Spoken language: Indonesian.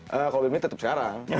kalau boleh milih tetep sekarang